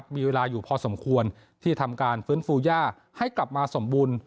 มีเวลาอยู่พอสมควรที่ทำการฟื้นฟูย่าให้กลับมาสมบูรณ์